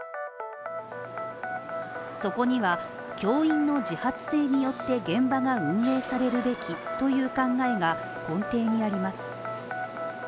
そこには教員の自発性によって現場が運営されるべきという考えが根底にあります。